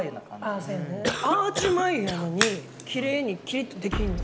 アーチ眉やのにきれいにキリッとできるの？